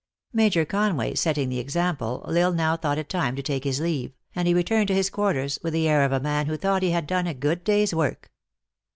Major Conway setting the example, L Isle now thought it time to take his leave, and he returned to his quarters with the air of a man who thought he had done a good day s work."